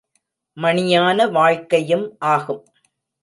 மணியான வாழ்க்கையும் ஆகும்.